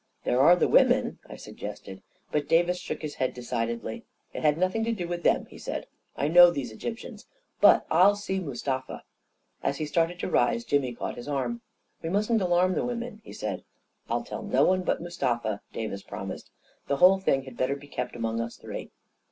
u There are the women," I suggested. But Davis shook his head decidedly. " It had nothing to do with them," he said. 4< I know these Egyptians. But I'll see Mustafa." 126 A KING IN BABYLON As he started to rise, Jimmy caught his arm. " We mustn't alarm the women," he said. " I'll tell no one but Mustafa," Davis promised. 44 The whole thing had better be kept among us three."